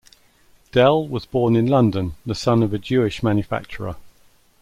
Dell was born in London, the son of a Jewish manufacturer.